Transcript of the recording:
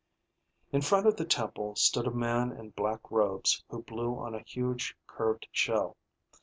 In front of the temple stood a man in black robes who blew on a huge curved shell.